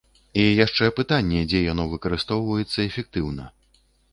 І яшчэ пытанне, дзе яно выкарыстоўваецца эфектыўна.